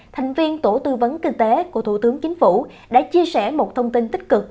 thành viên tổ tư vấn kinh tế của thủ tướng chính phủ đã chia sẻ một thông tin tích cực